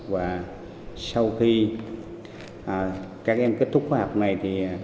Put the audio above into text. và sau khi các em kết thúc khóa học này